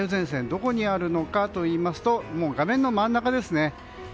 どこにあるのかといいますと画面の真ん中ですね。